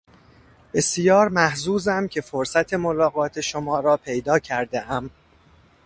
بسیار محظوظم که فرصت ملاقات شما را پیدا کردهام.